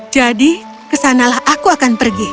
jadi kesanalah aku akan pergi